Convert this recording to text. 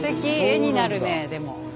絵になるねでも。